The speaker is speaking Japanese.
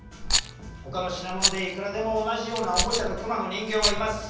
ほかの品物でいくらでも同じようなおもちゃの熊の人形はいます。